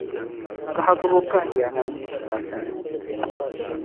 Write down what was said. Kahigibu kan ya na yi Duuma sani.